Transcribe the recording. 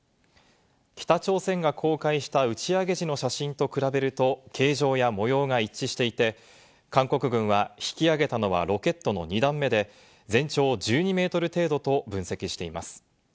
北朝鮮が公開した打ち上げ時の写真と比べると、形状や模様が一致していて、韓国軍は引き揚げたのはロケットの２段目で、全長１２メートル程度と分析しています。